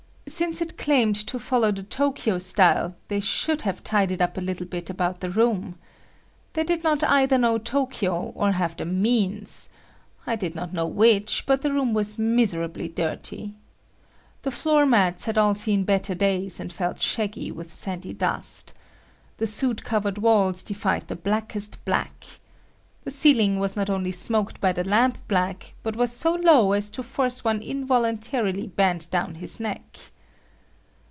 Since it claimed to follow the Tokyo style, they should have tidied up a little bit about the room. They did not either know Tokyo or have the means,—I did not know which, but the room was miserably dirty. The floor mats had all seen better days and felt shaggy with sandy dust. The sootcovered walls defied the blackest black. The ceiling was not only smoked by the lamp black, but was so low as to force one involuntarily bend down his neck.